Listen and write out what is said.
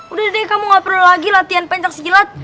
udah deh kamu nggak perlu lagi latihan pencet silat